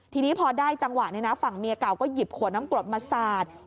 ทีนี้พอได้จังหวะฝั่งเมียเก่าก็หยิบขวดน้ำกรดมาสาด